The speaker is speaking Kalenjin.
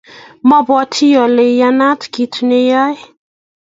Mabwati ale iyanat kit ne i yoe.